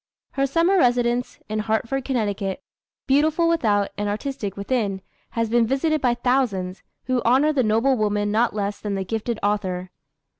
Her summer residence in Hartford, Conn., beautiful without, and artistic within, has been visited by thousands, who honor the noble woman not less than the gifted author.